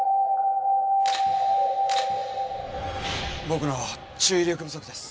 僕の注意力不足です。